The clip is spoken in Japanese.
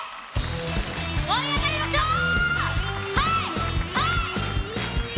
盛り上がりましょう！